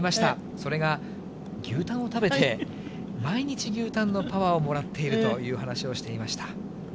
それが、牛たんを食べて、毎日、牛タンのパワーをもらっているという話をしていました。